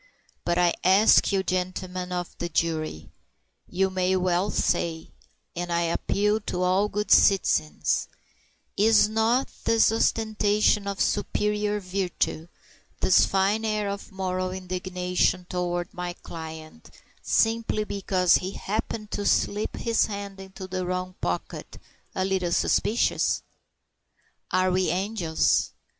But I ask you, gentlemen of the jury you may well say and I appeal to all good citizens, is not this ostentation of superior virtue, this fine air of moral indignation toward my client simply because he happened to slip his hand into the wrong pocket, a little suspicious? Are we angels?